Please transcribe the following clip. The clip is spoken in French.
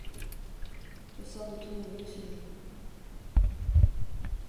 Le sort de tous nos voeux se joue ;